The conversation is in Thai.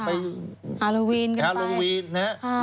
ฮาโลวีนกันฮาโลวีนนะฮะ